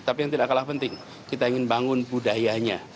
tapi yang tidak kalah penting kita ingin bangun budayanya